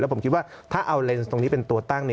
ผมคิดว่าถ้าเอาเลนส์ตรงนี้เป็นตัวตั้ง